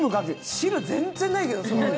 汁、全然ないけど。